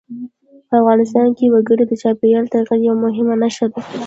په افغانستان کې وګړي د چاپېریال د تغیر یوه مهمه نښه ده.